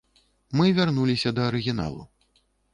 Мы вярнуліся да арыгіналу.